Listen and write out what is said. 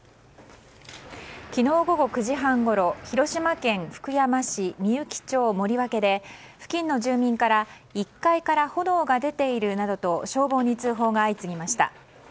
昨日午後９時半ごろ広島県福山市御幸町森脇で付近の住民から１階から炎が出ているなどと消防に通報が相次ぎました。